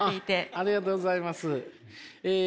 ありがとうございます。